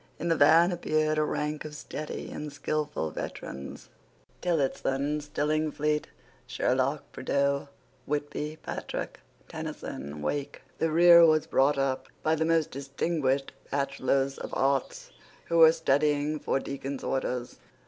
In the van appeared a rank of steady and skilful veterans, Tillotson, Stillingfleet, Sherlock, Prideaux, Whitby, Patrick, Tenison, Wake. The rear was brought up by the most distinguished bachelors of arts who were studying for deacon's orders.